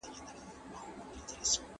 هغه وویل چې د معلوماتو شریکول د پوهې نښه ده.